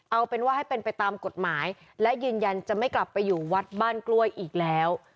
เอาเป็นว่าให้เป็นไปตามกฎหมายและยืนยันจะไม่กลับไปอยู่วัดบ้านกล้วยอีกแล้ว